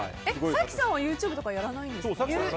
早紀さんはＹｏｕＴｕｂｅやらないんですか？